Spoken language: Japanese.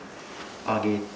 上げて。